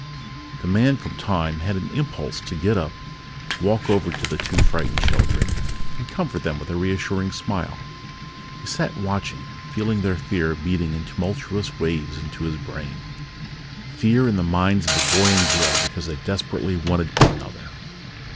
The Man from Time had an impulse to get up, walk over to the two frightened children and comfort them with a reassuring smile. He sat watching, feeling their fear beating in tumultuous waves into his brain. Fear in the minds of a boy and a girl because they desperately wanted one another!